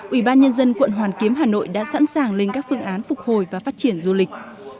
ủy ban nhân dân quận hoàn kiếm hà nội đã sẵn sàng lên các phương án phục hồi và phát triển du lịch